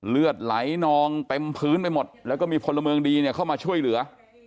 เลือดไหลนองเต็มพื้นไปหมดแล้วก็มีพลเมืองดีเนี่ยเข้ามาช่วยเหลือ